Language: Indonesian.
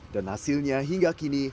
dan hasilnya hingga kini